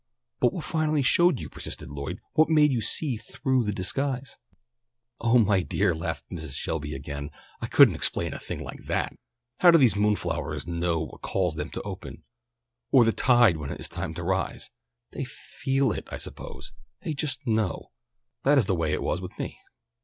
"But what finally showed you?" persisted Lloyd. "What made you see through the disguise?" "Oh, my dear," laughed Mrs. Shelby again. "I couldn't explain a thing like that! How do these moon flowers know what calls them to open, or the tide when it is time to rise? They feel it, I suppose. They just know! That is the way it was with me."